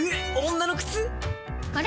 女の靴⁉あれ？